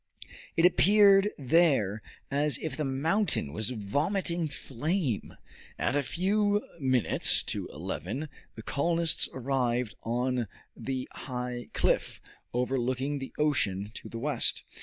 It appeared there as if the mountain was vomiting flame. At a few minutes to eleven the colonists arrived on the high cliff overlooking the ocean to the west.